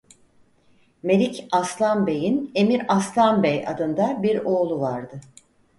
Melik Arslan Bey'in Emir Aslan Bey adında bir oğlu vardı.